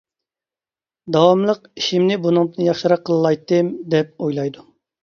داۋاملىق «ئىشىمنى بۇنىڭدىن ياخشىراق قىلالايتتىم» ، دەپ ئويلايدۇ.